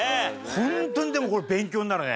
ホントにでもこれ勉強になるね。